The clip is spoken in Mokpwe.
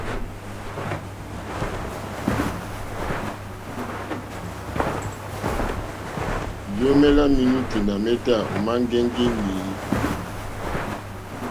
Liomè la menuti nà meta òma ŋgɛŋgi inèi.